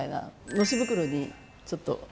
のし袋にちょっと入れて。